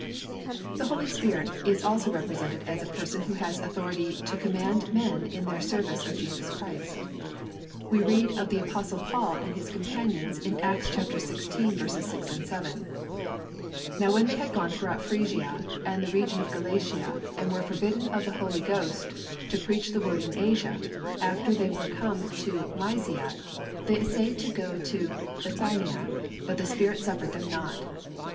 The Holy Spirit is also represented as a Person who has authority to command men in their service of Jesus Christ. We read of the Apostle Paul and his companions in Acts xvi. 6, 7, "Now when they had gone throughout Phrygia and the region of Galatia, and were forbidden of the Holy Ghost to preach the Word in Asia, after they were come to Mysia, they assayed to go into Bithynia: but the Spirit suffered them not."